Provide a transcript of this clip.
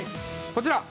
◆こちら。